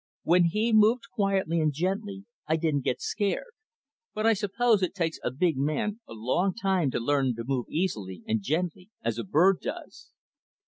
When he moved quietly and gently I didn't get scared; but I suppose it takes a big man a long time to learn to move easily and gently as a bird does.